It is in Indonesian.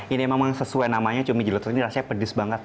ini memang sesuai namanya cumi jelotot ini rasanya pedes banget